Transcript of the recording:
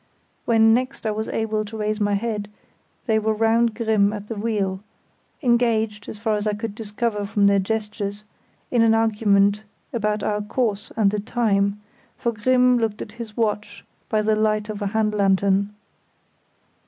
When next I was able to raise my head they were round Grimm at the wheel, engaged, as far as I could discover from their gestures, in an argument about our course and the time, for Grimm looked at his watch by the light of a hand lantern.